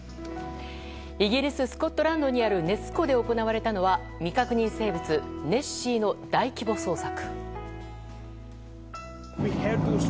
イギリススコットランドにあるネス湖で行われたのは未確認生物ネッシーの大規模捜索。